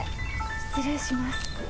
失礼します。